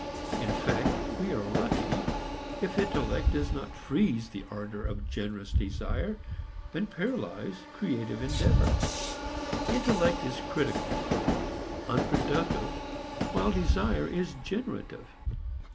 In fact we are lucky if intellect does not freeze the ardor of generous desire and paralyze creative endeavor. Intellect is critical, unproductive while desire is generative.